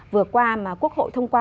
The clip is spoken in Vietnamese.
vừa qua mà quốc hội thông qua